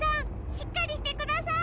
しっかりしてください。